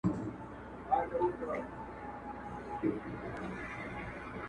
o مور بې حاله کيږي او پر ځمکه پرېوځي ناڅاپه,